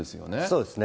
そうですね。